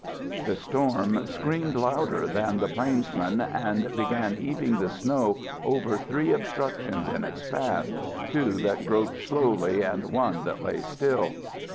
The storm screamed louder than the plainsman and began heaping the snow over three obstructions in its path, two that groped slowly and one that lay still.